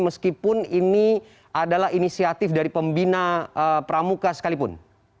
meskipun ini adalah inisiatif dari pembina pramuka sekalipun